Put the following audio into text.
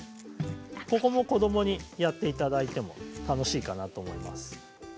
ここも子どもにやっていただいても楽しいかなと思います。